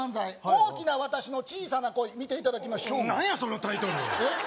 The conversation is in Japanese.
「大きな私の小さな恋」見ていただきましょう何やそのタイトルえっ？